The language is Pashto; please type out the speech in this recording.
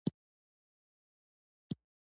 جلګه د افغانستان د فرهنګي فستیوالونو برخه ده.